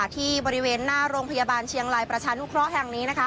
ที่บริเวณหน้าโรงพยาบาลเชียงรายประชานุเคราะห์แห่งนี้นะคะ